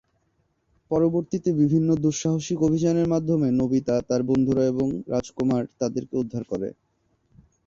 পরবর্তীতে বিভিন্ন দুঃসাহসিক অভিযানের মাধ্যমে নোবিতা, তার বন্ধুরা এবং রাজকুমার তাদেরকে উদ্ধার করে।